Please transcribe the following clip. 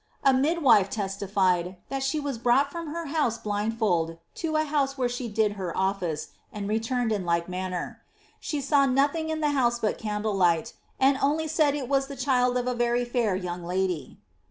A mid wife testified that she was brought from her house blindfold to a house where she did her ofBce, and returned in like manner. She saw nothing in the house but candle light, and only said it was tlie child of a very fair young lady."